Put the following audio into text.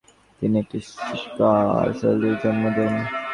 তিনি একটি স্বকীয় সুরশৈলীর জন্ম দেন।